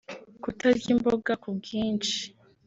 kutarya imboga ku bwinshi